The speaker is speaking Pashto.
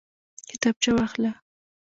کتابچه واخله